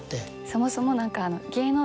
そもそも何か。